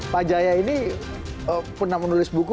pak jaya ini pernah menulis buku